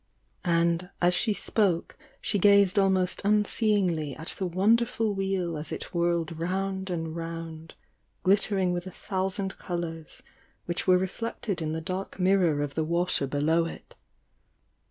And, as she spoke, she gazed almost unseeingly at the wonderful Wheel as it whirled round and round, glittering with a thousand colours which were re flected in the dark mirror of the water below it.